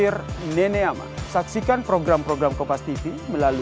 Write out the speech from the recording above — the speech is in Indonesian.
regresi sama keluarganya atau gimana